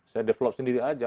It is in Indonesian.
saya develop sendiri aja